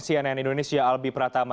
cnn indonesia albi pratama